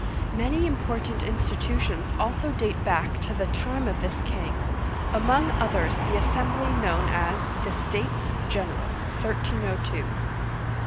Many important institutions also date back to the time of this king, among others the assembly known as the " States General '*( 1 302).